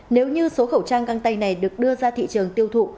nếu như số khẩu trang găng tay này được đưa ra thị trường tiêu thụ